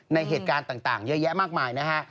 ในเหตุการณ์ต่างเยอะแยะมากมายนะฮะ